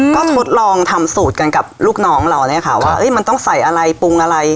ก็ทดลองทำสูตรกันกับลูกน้องเราเนี่ยค่ะว่ามันต้องใส่อะไรปรุงอะไร